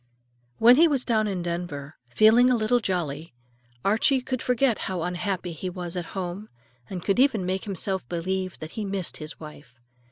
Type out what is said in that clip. When he was down in Denver, feeling a little jolly, Archie could forget how unhappy he was at home, and could even make himself believe that he missed his wife.